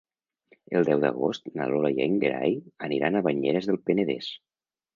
El deu d'agost na Lola i en Gerai aniran a Banyeres del Penedès.